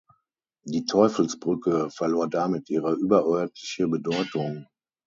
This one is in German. Die Teufelsbrücke verlor damit ihre überörtliche Bedeutung.